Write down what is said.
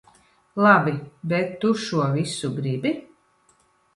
Labi, bet tu šo visu gribi?